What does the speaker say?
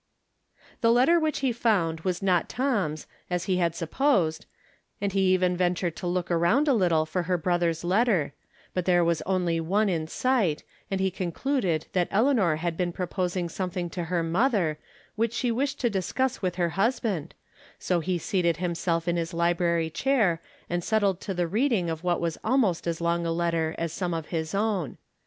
236 From Different Standpoints. The letter wMcli lie found was not Tom's, as lie had supposed, and he even ventured to look around a little for her brother's letter ; but there was only one in sight, and he concluded that El eanor had been proposing something to her mother which she wished to discuss with her hus band, so he seated himself in his library chair and settled to the reading of what was almost as long a letter as some of his own.